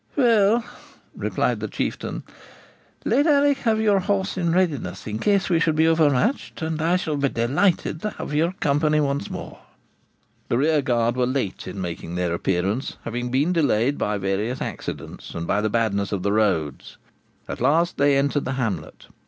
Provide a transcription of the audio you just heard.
'Well,' replied the Chieftain, 'let Alick have your horse in readiness, in case we should be overmatched, and I shall be delighted to have your company once more.' The rear guard were late in making their appearance, having been delayed by various accidents and by the badness of the roads. At length they entered the hamlet.